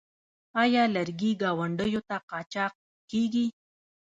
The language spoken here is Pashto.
آیا لرګي ګاونډیو ته قاچاق کیږي؟